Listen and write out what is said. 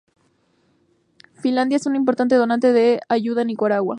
Finlandia es un importante donante de ayuda a Nicaragua.